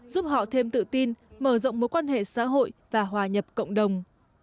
giúp họ thêm tự tin mở rộng mối quan hệ xã hội và hòa nhập cộng đồng